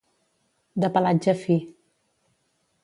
De pelatge fi.